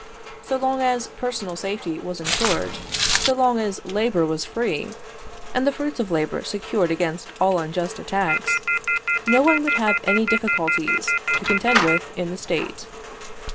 So long as personal safety was ensured, so long as labour was free, and the fruits of labour secured against all unjust attacks, no one would have any difficulties to contend with in the State.